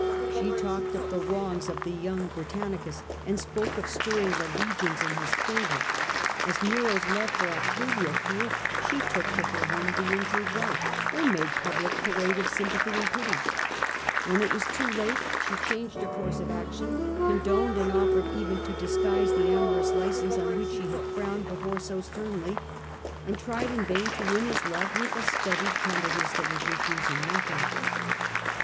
She talked of the wrongs of the young Britannicus, and spoke of stirring the legions in his favour. As Nero's love for Octavia cooled she took to her home the injured wife f04 The Earlier E^npire, a.d. 54 68. lengths they had not dreamt of. and made public parade of sympathy and pity. When it was too late, she changed her course of action, condoned and offered even to disguise the amorous license on which she had frowned before so sternly, and tried in vain to win his love with a studied tenderness that would refuse him nothing.